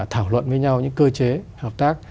thảo luận với nhau những cơ chế hợp tác